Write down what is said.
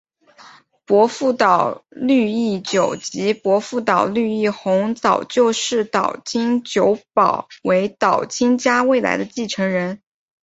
伯父岛津义久及父亲岛津义弘早就视岛津久保为岛津家未来的继承人。